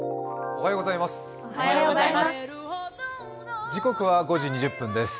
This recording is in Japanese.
おはようございます。